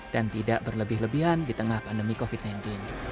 dan tidak berlebih lebihan di tengah pandemi covid sembilan belas